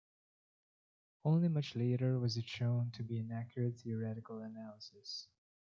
Only much later was it shown to be an accurate theoretical analysis.